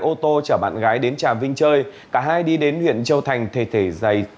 ô tô chở bạn gái đến trà vinh chơi cả hai đi đến huyện châu thành thề thề dày